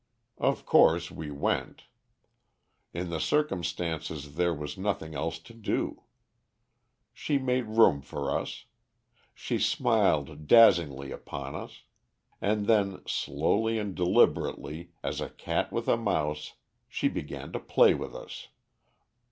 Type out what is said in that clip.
"Of course, we went. In the circumstances there was nothing else to do. She made room for us; she smiled dazzlingly upon us. And then slowly and deliberately, as a cat with a mouse, she began to play with us.